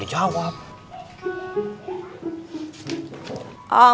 lihat aku yang ber